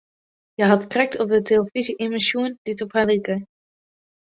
Hja hat krekt op 'e telefyzje immen sjoen dy't op har like.